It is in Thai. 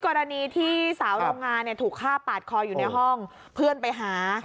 กรณีที่สาวโรงงานถูกฆ่าปาดคออยู่ในห้องเพื่อนไปหา